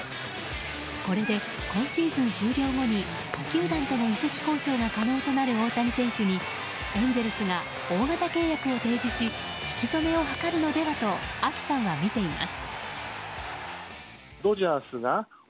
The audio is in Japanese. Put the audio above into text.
これで今シーズン終了後に他球団との移籍交渉が可能となる大谷選手にエンゼルスが大型契約を提示し引き留めを図るのではとＡＫＩさんはみています。